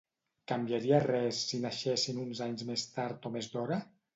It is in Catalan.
Canviaria res si naixessin uns anys més tard o més d'hora?